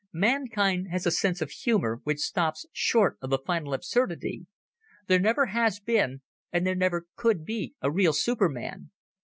Mankind has a sense of humour which stops short of the final absurdity. There never has been, and there never could be a real Superman